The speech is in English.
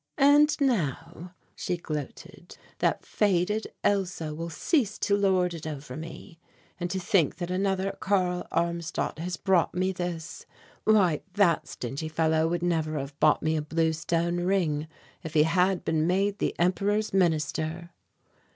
"And now," she gloated, "that faded Elsa will cease to lord it over me and to think that another Karl Armstadt has brought me this why that stingy fellow would never have bought me a blue stone ring, if he had been made the Emperor's Minister."